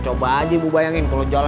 coba aja ibu bayangin kalo jalan